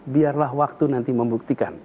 biarlah waktu nanti membuktikan